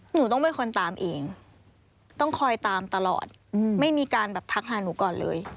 หนูต้องเป็นคนตามเองต้องคอยตามตลอดไม่มีการแบบทักหาหนูก่อนเลย